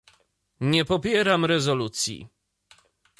Nie popieram rezolucji